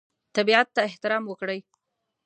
طبیعت ته احترام وکړئ.